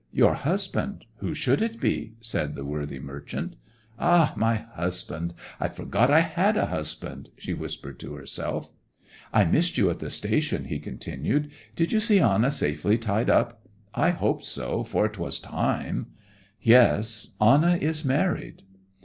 'Your husband—who should it be?' said the worthy merchant. 'Ah—my husband!—I forgot I had a husband!' she whispered to herself. 'I missed you at the station,' he continued. 'Did you see Anna safely tied up? I hope so, for 'twas time.' 'Yes—Anna is married.